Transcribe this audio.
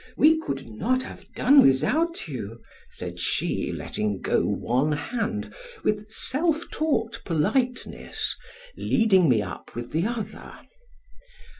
We could not have done without you, said she, letting go one hand, with self taught politeness, leading me up with the other.